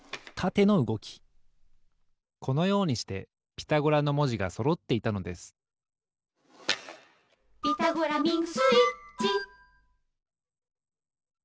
このようにしてピタゴラのもじがそろっていたのです「ピタゴラミングスイッチ」